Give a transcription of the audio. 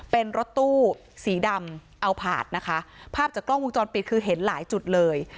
เป็นรถตู้สีดำเอาผาดนะคะภาพจากกล้องวงจรปิดคือเห็นหลายจุดเลย